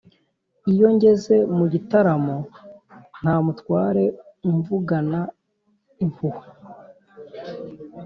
Iyo ngeze mu gitaramo nta mutware umvugana impuhwe,